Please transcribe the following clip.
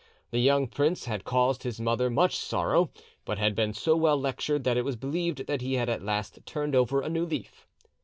The young prince had caused his mother much sorrow, but had been so well lectured that it was believed that he had at last turned over a new leaf."